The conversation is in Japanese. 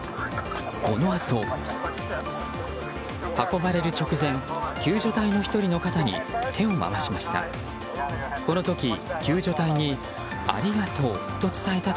このあと運ばれる直前救助隊の１人の方に手を伸ばしました。